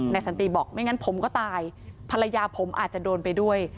สันติบอกไม่งั้นผมก็ตายภรรยาผมอาจจะโดนไปด้วย